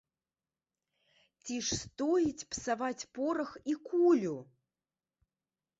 Ці ж стоіць псаваць порах і кулю!?.